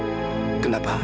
dia hanya adalah anak